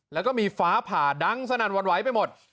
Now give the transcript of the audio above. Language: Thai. แล้วก็มีฟ้าผ่าดังสนั่นวันไหวไปหมด